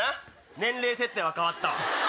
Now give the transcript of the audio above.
年齢設定は変わったわ。